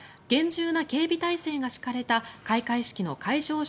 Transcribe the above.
厳重な警備態勢が敷かれた開会式の会場